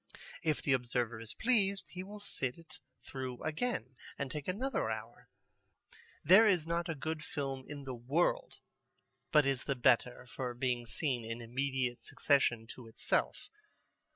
If the observer is pleased, he will sit it through again and take another hour. There is not a good film in the world but is the better for being seen in immediate succession to itself.